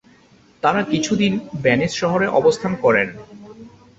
তারা কিছুদিন ভেনিস শহরে অবস্থান করেন।